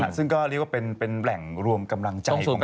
ซึ่งก็เรียกว่าเป็นแหล่งรวมกำลังใจของ